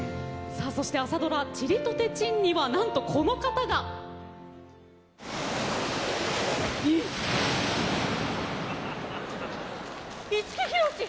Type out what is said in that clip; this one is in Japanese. そしれ朝ドラ「ちりとてちん」にはなんとこの方が！五木ひろし！